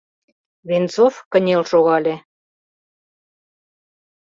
— Венцов кынел шогале.